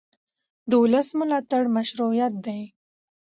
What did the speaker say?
د ولس ملاتړ مشروعیت دی